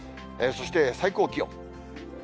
そして最高気温。